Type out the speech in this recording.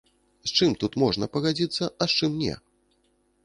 З чым тут можна пагадзіцца, а з чым не?